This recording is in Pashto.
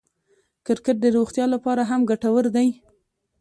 کرکټ د روغتیا له پاره هم ګټور دئ.